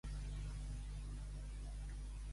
Fer el tat-tat.